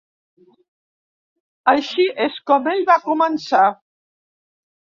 Així és com ell va començar.